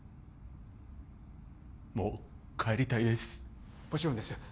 もう帰りたいです